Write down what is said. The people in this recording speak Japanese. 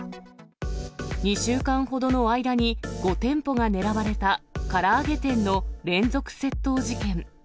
２週間ほどの間に、５店舗が狙われた、から揚げ店の連続窃盗事件。